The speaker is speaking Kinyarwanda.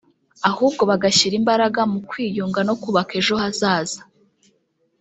ahubwo bagashyira imbaraga mu kwiyunga no kubaka ejo hazaza